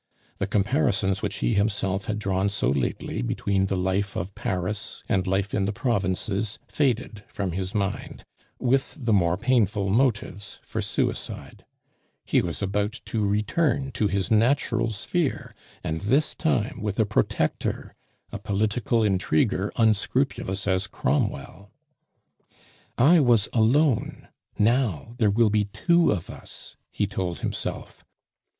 The comparisons which he himself had drawn so lately between the life of Paris and life in the provinces faded from his mind with the more painful motives for suicide; he was about to return to his natural sphere, and this time with a protector, a political intriguer unscrupulous as Cromwell. "I was alone, now there will be two of us," he told himself.